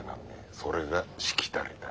それがしきたりだ。